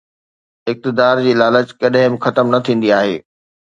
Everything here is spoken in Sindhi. اقتدار جي لالچ ڪڏهن به ختم نه ٿيندي آهي